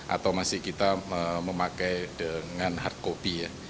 atau masih kita memakai dengan hard copy ya